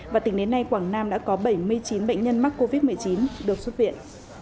và tỉnh đến nay quảng nam đã có bảy mươi chín bệnh nhân mắc covid một mươi chín được xuất viện